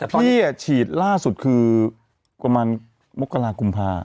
ที่ฉีดล่าสุดคือประมาณมกรากุมภา